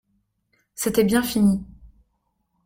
C'était bien fini.